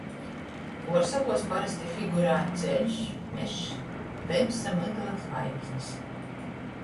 Puorsokuos parosti figurēja ceļš, mežs, tymsa, mygla, zvaigznis.